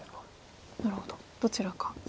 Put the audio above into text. なるほどどちらか。